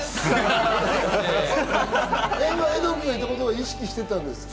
絵音君が今言ったこと意識してたんですか？